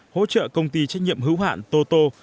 hỗ trợ công ty trách nhiệm hữu hạn toto